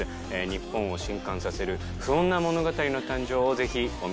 日本を震撼させる不穏な物語の誕生をぜひお見逃しなく。